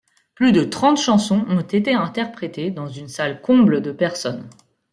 Plus de trente chansons ont été interprétés dans une salle comble de personnes.